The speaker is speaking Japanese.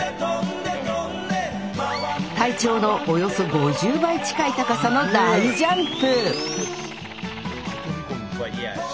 体長のおよそ５０倍近い高さの大ジャンプ！